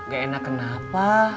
gak enak kenapa